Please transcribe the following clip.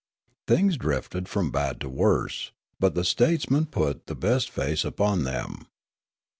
Things drifted from bad to worse ; but the statesman put the best face upon them.